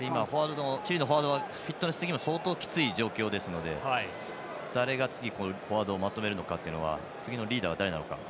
チリのフォワードのフィットネスは非常にきつい状況ですので誰が次フォワードをまとめるのか次のリーダーは誰なのか。